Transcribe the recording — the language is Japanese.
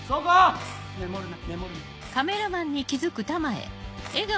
メモるなメモるな。